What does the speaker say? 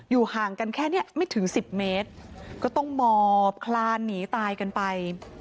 ห่างกันแค่นี้ไม่ถึงสิบเมตรก็ต้องหมอบคลานหนีตายกันไป